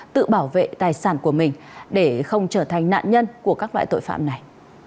tự bảo vệ tài sản của mình để không trở thành nạn nhân của các loại tội phạm này